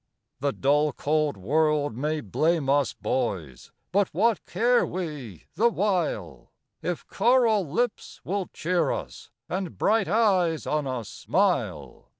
The dull, cold world may blame us, boys! but what care we the while, If coral lips will cheer us, and bright eyes on us smile?